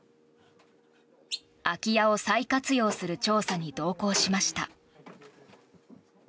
空き家を再活用する調査に同行しました。